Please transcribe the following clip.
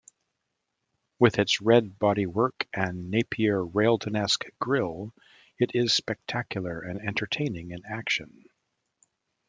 With its red bodywork and Napier-Railton-esque grille, it is spectacular and entertaining in action.